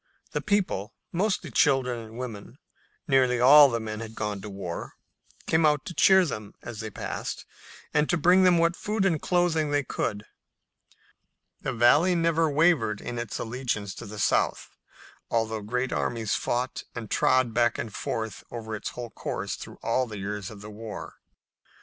The people, mostly women and children nearly all the men had gone to war came out to cheer them as they passed, and to bring them what food and clothing they could. The Valley never wavered in its allegiance to the South, although great armies fought and trod back and forth over its whole course through all the years of the war.